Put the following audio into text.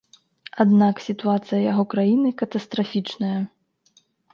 Аднак сітуацыя яго краіны катастрафічная.